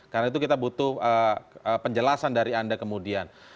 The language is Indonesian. karena itu kita butuh penjelasan dari anda kemudian